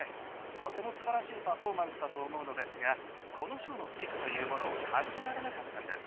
とてもすばらしいパフォーマンスだと思うのですが、このショーのピークというものを感じられなかったんです。